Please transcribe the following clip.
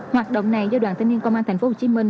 hoạt động này do đoàn thanh niên công an thành phố hồ chí minh